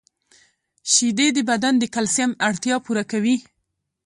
• شیدې د بدن د کلسیم اړتیا پوره کوي.